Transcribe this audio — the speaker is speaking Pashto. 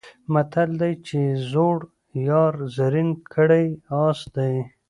متل دی چې زوړ یار زین کړی آس دی.